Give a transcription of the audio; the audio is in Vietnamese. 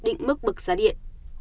định mức bậc giá điện